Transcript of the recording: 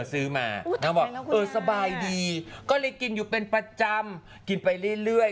ซื้อมานางบอกเออสบายดีก็เลยกินอยู่เป็นประจำกินไปเรื่อย